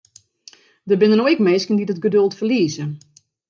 Der binne no ek minsken dy't it geduld ferlieze.